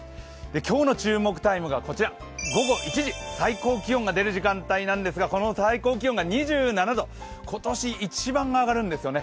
今日の注目タイムが午後１時最高気温が出る時間帯ですがこの最高気温が２７度、今年一番上がるんですよね。